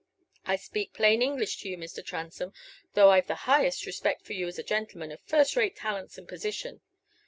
I speak plain English to you, Mr. Transome, though I've the highest respect for you as a gentleman of first rate talents and position.